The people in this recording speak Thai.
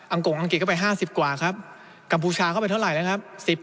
งกงอังกฤษก็ไป๕๐กว่าครับกัมพูชาเข้าไปเท่าไหร่แล้วครับ